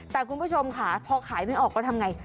แต่คุณผู้ชมค่ะพอขายไม่ออกก็ทำไง